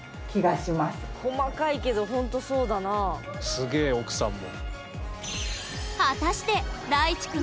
すげえ奥さんも。